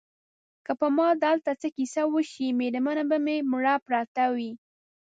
که په ما دلته څه کیسه وشي مېرمنه به مې مړه پرته وي.